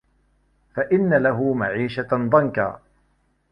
فَإِنَّ لَهُ مَعِيشَةً ضَنْكًا